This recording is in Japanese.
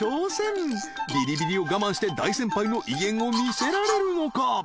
［ビリビリを我慢して大先輩の威厳を見せられるのか？］